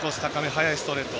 速いストレート。